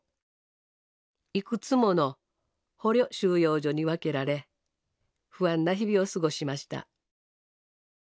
いくつもの捕虜収容所に分けられ不安な日々を過ごしました。